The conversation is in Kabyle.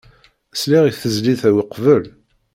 Sliɣ i tezlit-a uqbel.